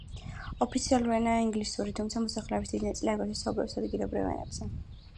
ოფიციალური ენაა ინგლისური, თუმცა მოსახლეობის დიდი ნაწილი აგრეთვე საუბრობს ადგილობრივ ენებზე.